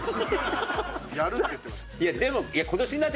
やるって言ってました。